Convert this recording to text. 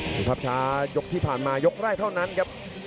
ดูภาพช้ายกที่ผ่านมายกแรกเท่านั้นครับ